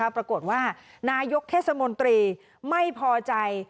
ปรากฏว่านายกเทศมนตรีไม่พอใจ